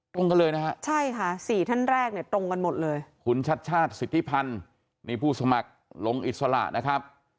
ตรงกันเลยนะฮะใช่ค่ะ๔ท่านแรกเนี่ยตรงกันหมดเลยคุณชัดชาติสิทธิพันธ์นี่ผู้สมัครลงอิสระนะครับ